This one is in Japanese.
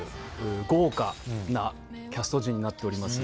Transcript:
豪華なキャスト陣になっております。